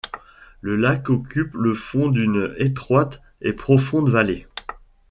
Le lac occupe le fond d'une étroite et profonde vallée.